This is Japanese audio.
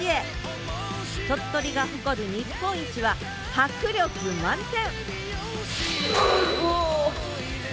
鳥取が誇る日本一は迫力満点！